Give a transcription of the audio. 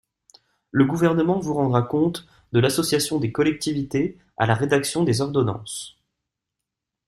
Le Gouvernement vous rendra compte de l’association des collectivités à la rédaction des ordonnances.